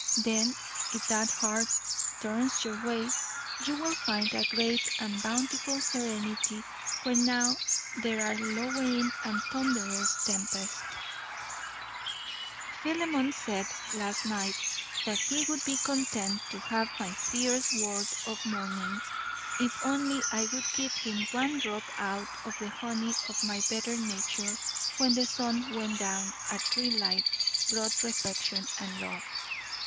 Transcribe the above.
Then, if that heart turns your way, you will find a great and bountiful serenity where now there are lowering and thunderous tempests. Philemon said last night that he would be content to have my fierce word o' mornings, if only I would give him one drop out of the honey of my better nature when the sun went down and twilight brought reflection and love.